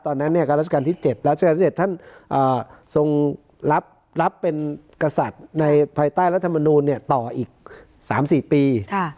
ตอนนั้นก็ราชการที่๗รัชกาลที่๗ท่านทรงรับเป็นกษัตริย์ในภายใต้รัฐมนูลต่ออีก๓๔ปี